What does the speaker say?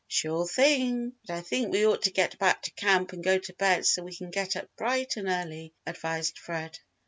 "Sure thing! But I think we ought to get back to camp and go to bed so we can get up bright and early," advised Fred.